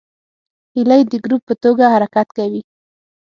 هیلۍ د ګروپ په توګه حرکت کوي